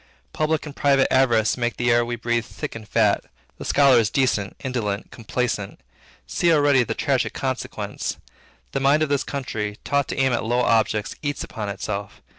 Public and private avarice make the air we breathe thick and fat. The scholar is decent, indolent, complaisant. See already the tragic consequence. The mind of this country, taught to aim at low objects, eats upon itself.